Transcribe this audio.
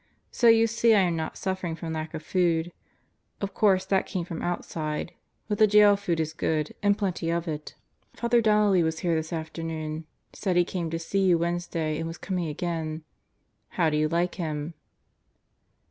So you see I am not suffering from lack of food. Of course that came from outside; but the jail food is good, and plenty of it. 21 22 God Goes to Murderer's Row ... Father Donnelly was here this afternoon. Said he came to see you Wednesday and was coming again. How do you like him?